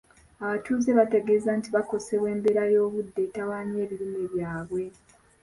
Abatuuze baategeeza nti bakosebwa embeera y’obudde etawaanya ebirime byabwe.